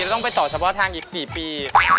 แล้วต้องไปต่อชะพาทางอีก๔ปี